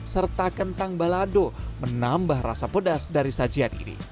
serta kentang balado menambah rasa pedas dari sajian ini